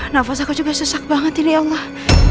nafas aku juga sesak banget ini allah